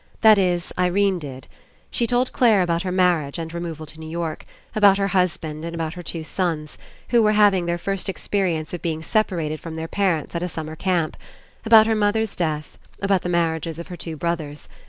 That is, Irene did. She told Clare about her marriage and removal to New York, about her husband, and about her two sons, who were having their first experience of being separated from their parents at a summer camp, about her mother's death, about the marriages of her two brothers.